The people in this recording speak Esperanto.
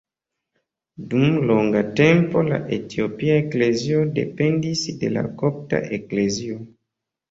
Dum longa tempo la Etiopia Eklezio dependis de la Kopta Eklezio.